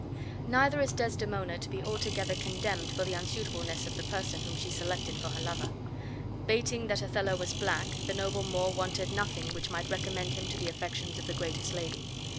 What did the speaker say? Neither is Desdemona to be altogether condemned for the unsuitableness of the person whom she selected for her lover. Bating that Othello was black, the noble Moor wanted nothing which might recommend him to the affections of the greatest lady.